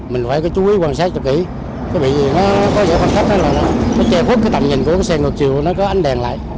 mình phải có chú ý quan sát cho kỹ có bị gì nó có giải phân cách nó là nó che khuất cái tầm nhìn của cái xe ngược chiều nó có ánh đèn lại